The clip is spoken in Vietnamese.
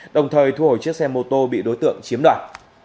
đồng thời thu hồi chiếc xe mô tô bị đối tượng chiếm đoạt